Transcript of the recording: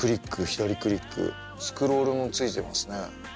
左クリックスクロールも付いてますね。